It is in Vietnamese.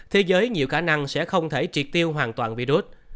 thế giới nhiều khả năng sẽ không thể triệt tiêu hoàn toàn virus